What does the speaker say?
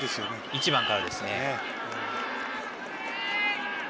１番からですね。